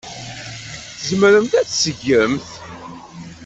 Tzemremt ad t-tgemt.